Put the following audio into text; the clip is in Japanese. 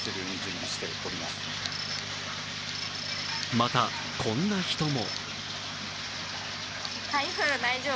また、こんな人も。